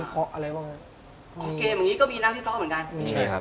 อ๋อเกมอย่างงี้ก็มีหน้าพิเคราะห์เหมือนกัน